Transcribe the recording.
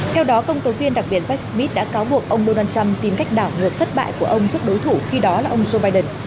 theo đó công tố viên đặc biệt jack smith đã cáo buộc ông donald trump tìm cách đảo ngược thất bại của ông trước đối thủ khi đó là ông joe biden